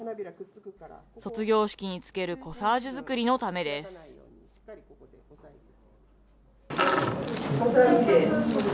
卒業式に付けるコサージュ作りのためです。